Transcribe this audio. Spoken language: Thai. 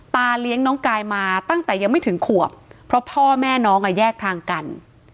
ตาเลี้ยงน้องกายมาตั้งแต่ยังไม่ถึงขวบเพราะพ่อแม่น้องอ่ะแยกทางกัน